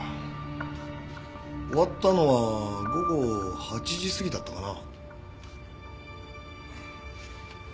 終わったのは午後８時過ぎだったかな？